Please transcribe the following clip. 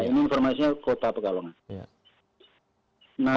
ini informasinya kota pekalongan